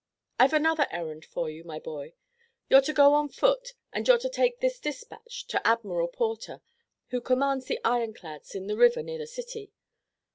I've another errand for you, my boy. You're to go on foot, and you're to take this dispatch to Admiral Porter, who commands the iron clads in the river near the city.